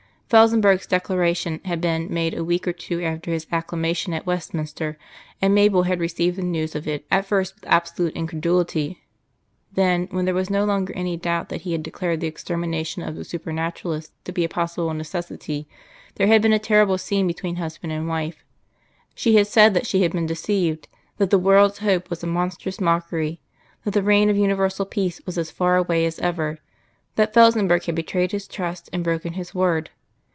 Felsenburgh's declaration had been made a week or two after his Acclamation at Westminster, and Mabel had received the news of it at first with absolute incredulity. Then, when there was no longer any doubt that he had declared the extermination of the Supernaturalists to be a possible necessity, there had been a terrible scene between husband and wife. She had said that she had been deceived; that the world's hope was a monstrous mockery; that the reign of universal peace was as far away as ever; that Felsenburgh had betrayed his trust and broken his word.